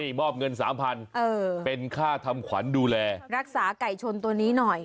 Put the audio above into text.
นี่มอบเงินสามพันเออเป็นค่าทำขวัญดูแลรักษาไก่ชนตัวนี้หน่อย